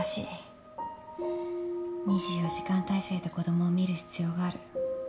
２４時間態勢で子供を見る必要がある。